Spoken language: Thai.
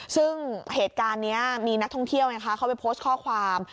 ซึ่งเหตุการณ์นี้มีนักท่องเที่ยวเขาไปโพสต์ข้อความ